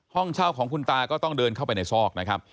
ห้องเช่าของคุณตาก็ต้องเดินเข้าไปในซอกนะครับ